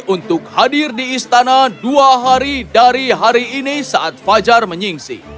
untuk hadir di istana dua hari dari hari ini saat fajar menyingsi